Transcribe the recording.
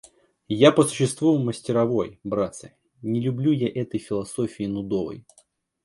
Я по существу мастеровой, братцы, не люблю я этой философии нудовой.